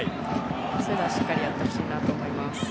そういうのはしっかりやってほしいなと思います。